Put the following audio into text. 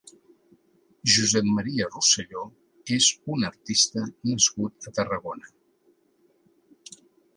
Josep Maria Rosselló és un artista nascut a Tarragona.